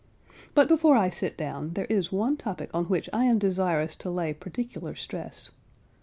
But before I sit down, there is one topic on which I am desirous to lay particular stress.